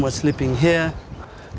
vậy thì chuyện gì đã xảy ra